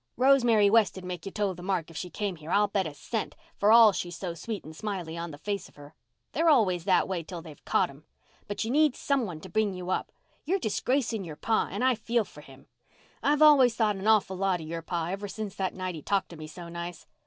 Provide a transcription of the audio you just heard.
Rosemary West'd make you toe the mark if she came here, I'll bet a cent, for all she's so sweet and smiley on the face of her. They're always that way till they've caught them. But you need some one to bring you up. You're disgracing your pa and I feel for him. I've always thought an awful lot of your pa ever since that night he talked to me so nice.